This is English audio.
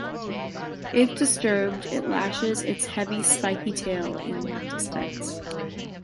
If disturbed it lashes its heavy spiky tail in defense.